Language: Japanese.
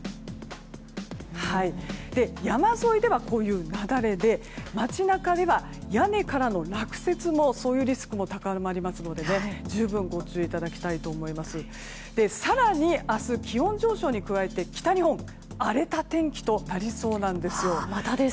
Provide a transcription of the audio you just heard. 山沿いでは雪崩で街中では屋根からの落雪とそういうリスクも高まりますので十分、ご注意いただきたいと思います。